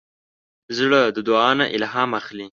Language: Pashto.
زړه د دعا نه الهام اخلي.